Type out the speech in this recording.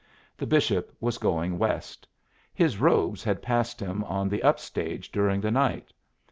The bishop was going west. His robes had passed him on the up stage during the night.